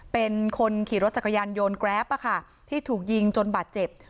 เป็นคนขี่รถจักรยานยนต์แกรปที่ถูกยิงจนบาดเจ็บ